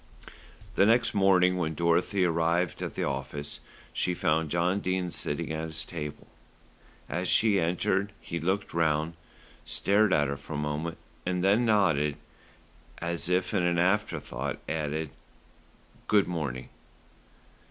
The next morning when Dorothy arrived at the office, she found John Dene sitting at his table. As she entered, he looked round, stared at her for a moment and then nodded, and as if as an after thought added, "Good morning."